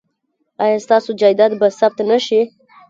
ایا ستاسو جایداد به ثبت نه شي؟